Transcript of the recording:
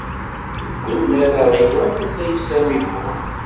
Deg unnar aɣiwan n Ayt Ɛisa Mimun.